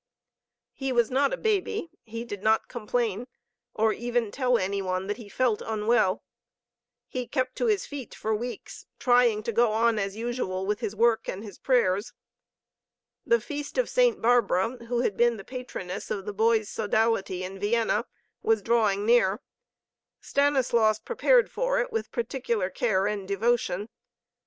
He was not a baby. He did not complain, or even tell any one that he felt unwell. He kept to his feet for weeks, trying to go on as usual with his work and his prayers. The feast of Saint Barbara, who had been the patroness of the boys' sodality in Vienna, was drawing near. Stanislaus prepared for it with particular care and devotion.